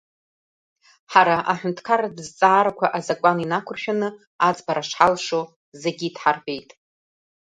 Ҳара аҳәынҭқарратә зҵаарақәа азакәан инақәыршәаны аӡбара шҳалшо зегьы идҳарбеит.